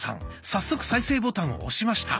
早速再生ボタンを押しました。